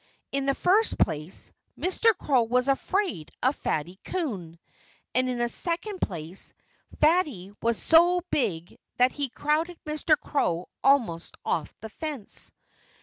In the first place, Mr. Crow was afraid of Fatty Coon. And in the second place, Fatty was so big that he crowded Mr. Crow almost off the fence.